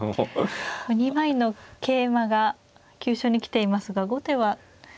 ２枚の桂馬が急所に来ていますが後手は。